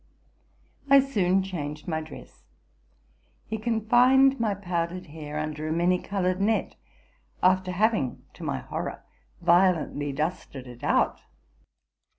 I soon changed my dress. He confined my powdered hair under a many colored net, after having to my horror violently dusted it out.